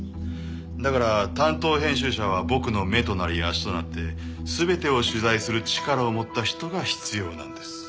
だから担当編集者は僕の目となり足となって全てを取材する力を持った人が必要なんです。